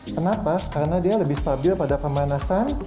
kenapa karena dia lebih stabil pada pemanasan